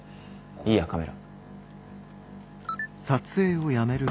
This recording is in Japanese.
いいやカメラ。